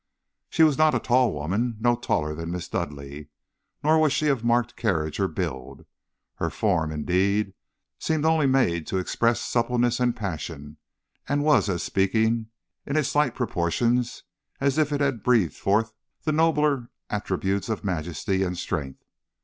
"She was not a tall woman, no taller than Miss Dudleigh. Nor was she of marked carriage or build. Her form, indeed, seemed only made to express suppleness and passion, and was as speaking in its slight proportions as if it had breathed forth the nobler attributes of majesty and strength.